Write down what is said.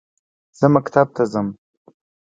زه مکتب ته زمه